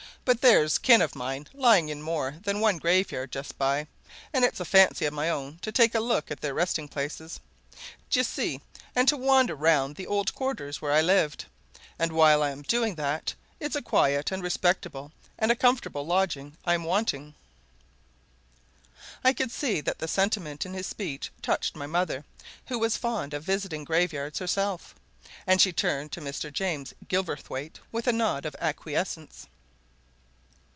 "But there's kin of mine lying in more than one graveyard just by, and it's a fancy of my own to take a look at their resting places, d'ye see, and to wander round the old quarters where they lived. And while I'm doing that, it's a quiet, and respectable, and a comfortable lodging I'm wanting." I could see that the sentiment in his speech touched my mother, who was fond of visiting graveyards herself, and she turned to Mr. James Gilverthwaite with a nod of acquiescence.